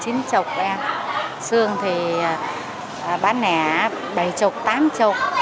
đùi chín chục em sườn thì bán nẻ bảy chục tám chục